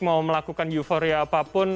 mau melakukan euforia apapun